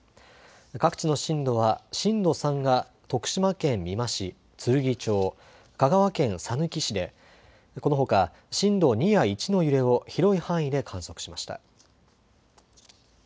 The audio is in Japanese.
各地の震度は震度３が徳島県美馬市、つるぎ町、香川県さぬき市でこのほか震度２や１の揺れを広い範囲で観測しました。